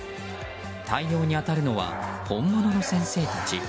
対応に当たるのは本物の先生たち。